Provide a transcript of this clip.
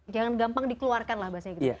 jangan gampang dikeluarkan lah bahasanya gitu